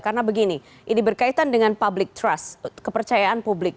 karena begini ini berkaitan dengan public trust kepercayaan publik